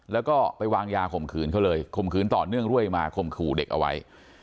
แล้วก็ไปวางยาข่มขืนเขาเลยข่มขืนต่อเนื่องเรื่อยมาข่มขู่เด็กเอาไว้